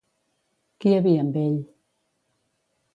Qui hi havia amb ell?